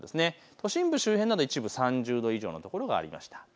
都心部周辺など一部、３０度以上の所がありました。